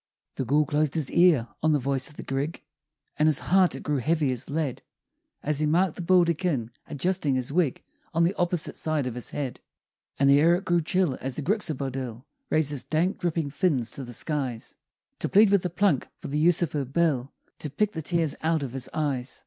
The Gool closed his ear on the voice of the Grig, And his heart it grew heavy as lead As he marked the Baldekin adjusting his wig On the opposite side of his head; And the air it grew chill as the Gryxabodill Raised his dank, dripping fins to the skies, To plead with the Plunk for the use of her bill To pick the tears out of his eyes.